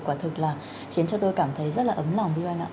quả thực là khiến cho tôi cảm thấy rất là ấm lòng với anh ạ